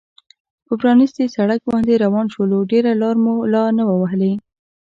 پر پرانیستي سړک باندې روان شولو، ډېره لار مو لا نه وه وهلې.